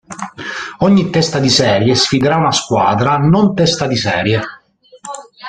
Ogni testa di serie sfiderà una squadra non testa di serie.